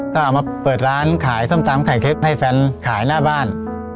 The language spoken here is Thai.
ก็เอามาเปิดร้านขายส้มตำไข่เค็ปให้แฟนขายหน้าบ้าน